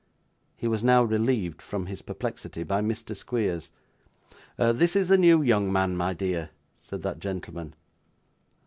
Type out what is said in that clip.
He was now relieved from his perplexity by Mr. Squeers. 'This is the new young man, my dear,' said that gentleman.